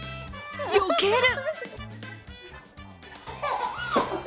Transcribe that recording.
よける。